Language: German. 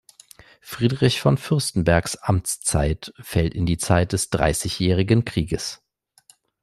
Friedrich von Fürstenbergs Amtszeit fällt in die Zeit des Dreißigjährigen Krieges.